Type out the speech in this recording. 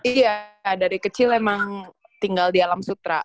iya dari kecil emang tinggal di alam sutra